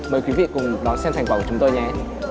mời quý vị cùng đón xem thành quả của chúng tôi nhé